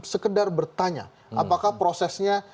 sekedar bertanya apakah prosesnya